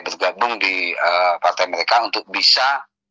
bergabung di partai mereka untuk bisa